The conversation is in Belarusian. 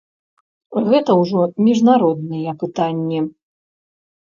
Гэта ўжо міжнародныя пытанні.